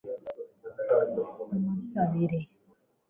umunsabire